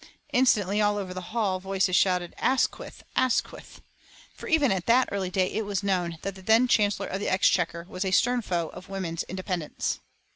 Instantly, all over the hall, voices shouted, "Asquith! Asquith!" For even at that early day it was known that the then Chancellor of the Exchequer was a stern foe of women's independence.